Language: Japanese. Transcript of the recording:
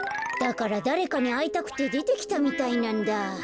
だからだれかにあいたくてでてきたみたいなんだ。